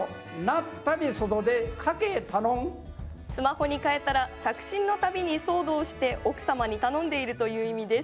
スマホに替えたら着信の度に騒動して奥様に頼んでいるという意味です。